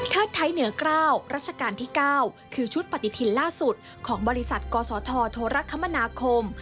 ไทยเหนือ๙รัชกาลที่๙คือชุดปฏิทินล่าสุดของบริษัทกศธโทรคมนาคม